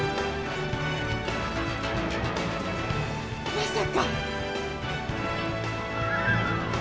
まさか。